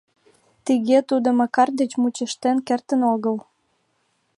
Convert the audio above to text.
Тыге тудо Макар деч мучыштен кертын огыл...